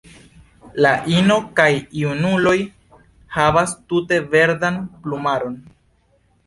La ino kaj junuloj havas tute verdan plumaron.